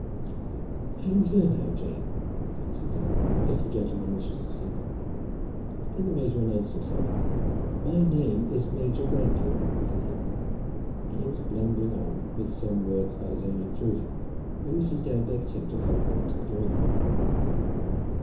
"I am here now, Jane," said Mrs. Dale, "if the gentleman wishes to see me." Then the major announced himself. "My name is Major Grantly," said he; and he was blundering on with some words about his own intrusion, when Mrs. Dale begged him to follow her into the drawing room.